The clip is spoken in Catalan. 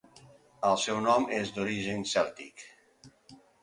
El seu nom és d'origen cèltic.